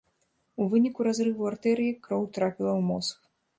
У выніку разрыву артэрыі кроў трапіла ў мозг.